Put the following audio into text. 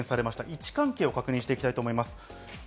位置関係を確認していきたいと思います。